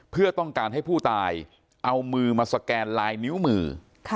เพื่อต้องการให้ผู้ตายเอามือมาสแกนลายนิ้วมือ